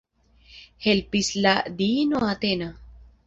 Helpis la diino Atena.